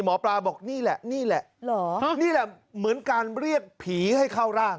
หมอปลาบอกนี่แหละนี่แหละนี่แหละเหมือนการเรียกผีให้เข้าร่าง